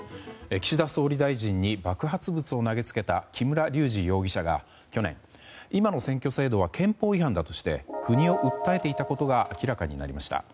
岸田総理大臣に爆発物を投げつけた木村隆二容疑者が去年、今の選挙制度は憲法違反だとして国を訴えていたことが明らかになりました。